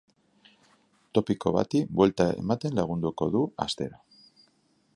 Topiko bati buelta ematen lagunduko du astero.